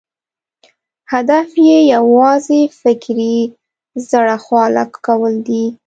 هدف یې یوازې فکري زړه خواله کول دي.